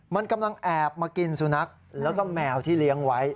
มันกำลังแอบมากินสุนัขแล้วก็แมวที่เลี้ยงไว้